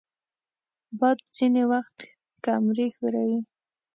باد ځینې وخت کمرې ښوروي